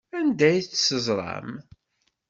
Anda ay tt-teẓram?